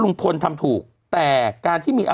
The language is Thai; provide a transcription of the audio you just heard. กรมป้องกันแล้วก็บรรเทาสาธารณภัยนะคะ